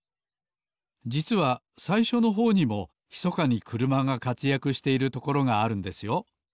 じつはさいしょのほうにもひそかにくるまがかつやくしているところがあるんですよ